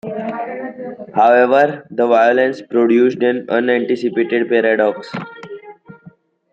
However, the violence produced an unanticipated paradox.